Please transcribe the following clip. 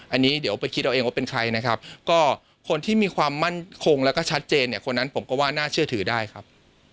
อันนี้เดี๋ยวไปคิดเอาเองว่าเป็นใครนะครับก็คนที่มีความมั่นคงแล้วก็ชัดเจนเนี่ยคนนั้นผมก็ว่าน่าเชื่อถือได้ครับ